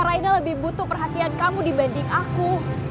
raina lebih butuh perhatian kamu dibanding aku